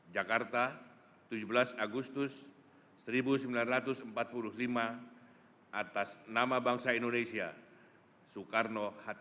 jakarta tujuh belas agustus seribu sembilan ratus empat puluh lima atas nama bangsa indonesia soekarno hatta